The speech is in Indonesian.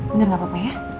benar gak apa apa ya